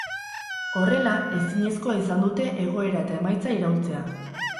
Horrela, ezinezkoa izan dute egoera eta emaitza iraultzea.